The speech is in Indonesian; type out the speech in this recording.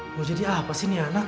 mau jadi apa sih ini anak